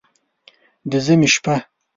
د ژمي شپه